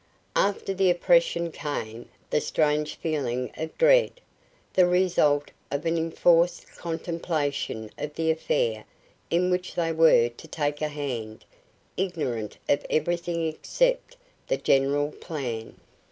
After the oppression came the strange feeling of dread, the result of an enforced contemplation of the affair in which they were to take a hand, ignorant of everything except the general plan.